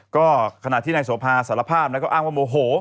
ก็ขณะที่นายโสภาสารภาพแล้วก็อ้างว่าโมโห